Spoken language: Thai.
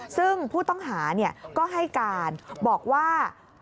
ซึ่งผู้ต้องหาก็ให้การบอกว่า